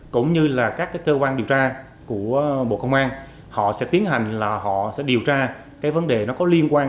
cũng như là các cơ quan điều tra của bộ công an họ sẽ tiến hành là họ sẽ điều tra cái vấn đề nó có liên quan